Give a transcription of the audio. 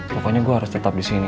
pokoknya gue harus tetap di sini